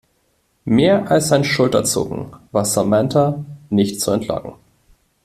Mehr als ein Schulterzucken war Samantha nicht zu entlocken.